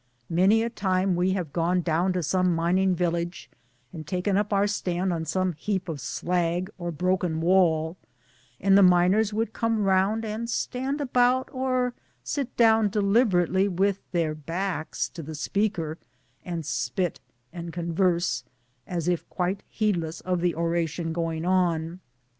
Many a time we have gone down to some mining village and taken up our stand on some heap of slag or broken wall, and the miners would come round and stand about or sit down deliberately with their backs to the speaker, and spit, and converse, as if quite heedless of the oration going on.